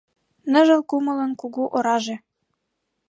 Ныжыл кумылын кугу ораже!